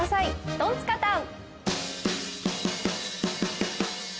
トンツカタン！